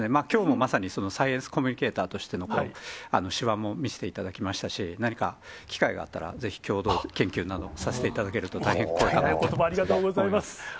きょうもまさに、サイエンスコメンテーターとしての手腕も見せていただきましたし、何か機会があったら、ぜひ、共同研究など、させていただけると、おことばありがとうございます。